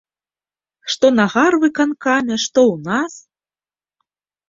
Што на гарвыканкаме, што ў нас.